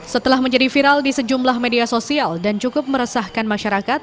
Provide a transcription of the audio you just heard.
setelah menjadi viral di sejumlah media sosial dan cukup meresahkan masyarakat